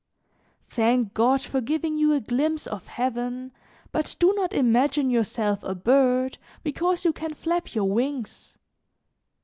"Thank God for giving you a glimpse of heaven, but do not imagine yourself a bird because you can flap your wings.